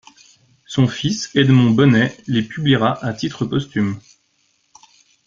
Son fils Edmond Bonnet les publiera à titre posthume.